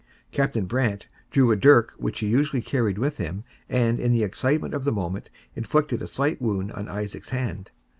Captain Brant drew a dirk which he usually carried with him, and in the excitement of the moment inflicted a slight wound on Isaac's hand.